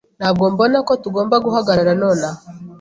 Ntabwo mbona ko tugomba guhagarara nonaha.